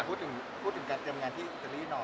พูดถึงการเตรียมงานที่อิตาลีหน่อย